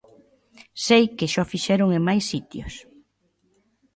Sei que xa o fixeron en máis sitios.